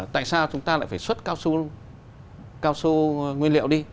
tại sao chúng ta lại phải xuất cao su nguyên liệu đi